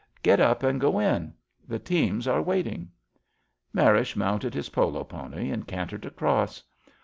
Get up and go in. The teams are wait ing. '' Marish mounted his polo pony and cantered across.